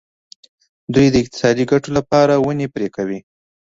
دوی د اقتصادي ګټو لپاره ونې پرې کوي.